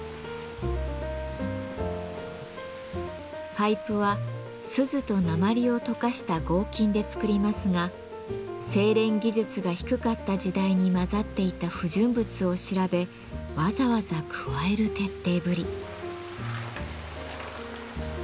パイプは錫と鉛を溶かした合金で作りますが精錬技術が低かった時代に混ざっていた不純物を調べわざわざ加える徹底ぶり。